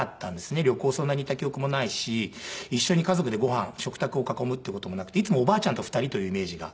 旅行そんなに行った記憶もないし一緒に家族でご飯食卓を囲むっていう事もなくていつもおばあちゃんと２人というイメージが。